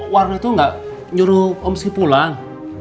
warno itu gak nyuruh om ski pulang